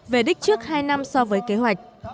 về đích trước hai năm so với kế hoạch